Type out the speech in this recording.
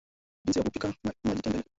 jinsi ya kupika majtembele